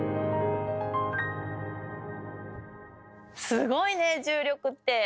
すごいね重力って！